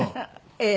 ええ。